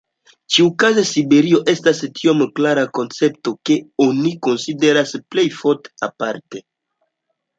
Ĉiukaze Siberio estas tiom klara koncepto ke oni konsideras plej ofte aparte.